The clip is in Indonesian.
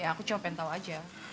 aku cuma pengen tahu aja